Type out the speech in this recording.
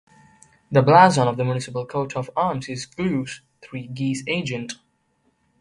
The blazon of the municipal coat of arms is Gules, three Geese Argent.